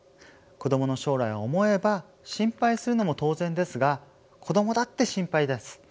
子どもの将来を思えば心配するのも当然ですが子どもだって心配です。